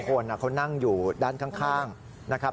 คนเขานั่งอยู่ด้านข้างนะครับ